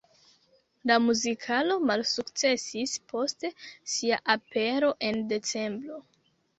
La muzikalo malsukcesis post sia apero en decembro.